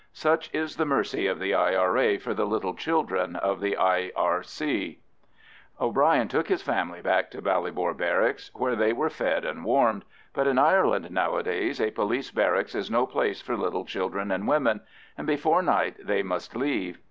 Such is the mercy of the I.R.A. for the little children of the R.I.C. O'Bryan took his family back to Ballybor Barracks, where they were fed and warmed; but in Ireland nowadays a police barracks is no place for little children and women, and before night they must leave.